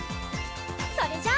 それじゃあ。